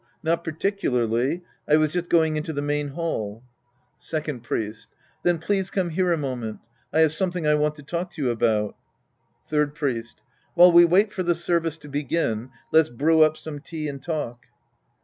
Not particularly. I was just going into the main hall. Second Priest. Then please come here a moment. I have something I want to talk to you about. Third Priest. While we wait for the service to begin, let's brew up some tea and talk.